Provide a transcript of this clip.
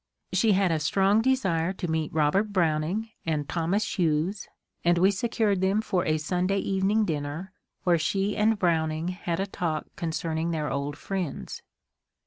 She had a strong de sire to meet Robert Browning and Thomas Hughes, and we secured them for a Sunday evening dinner, where she and Browning had a talk concerning their old friends.